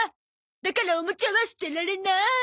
だからおもちゃは捨てられなーい！